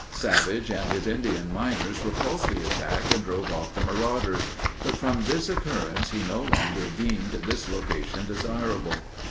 Savage and his Indian miners repulsed the attack and drove off the marauders, but from this occurrence he no longer deemed this location desirable.